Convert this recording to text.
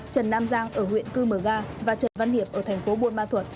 trần nam giang ở huyện cư mờ ga và trần văn hiệp ở thành phố buôn ma thuột